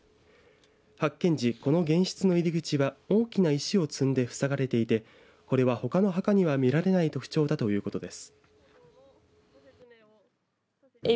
発見時玄室の入り口は大きな石を積んで塞がれていてこれは、ほかの墓には見られない特徴だということです。